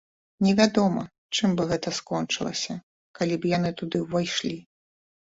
Невядома чым бы гэта скончылася, калі б яны туды ўвайшлі.